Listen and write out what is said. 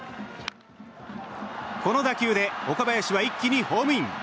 この打球で岡林は一気にホームイン。